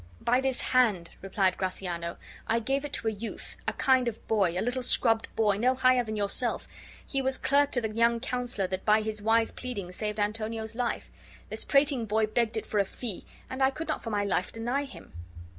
"By this hand," replied Gratiano, "I gave it to a youth, a kind Of boy, a little scrubbed boy, no higher than yourself; be was clerk to the young counselor that by his wise pleading saved Antonio's life. This prating boy begged it for a fee, and I could not for my life deny him."